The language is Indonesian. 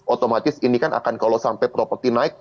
otomatis ini kan akan kalau sampai properti naik